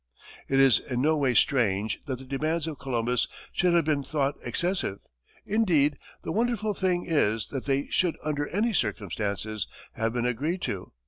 It is in no way strange that the demands of Columbus should have been thought excessive; indeed, the wonderful thing is that they should, under any circumstances, have been agreed to.